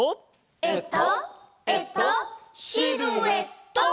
えっとえっとシルエット！